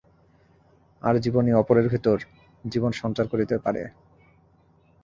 আর জীবনই অপরের ভিতর জীবন সঞ্চার করিতে পারে।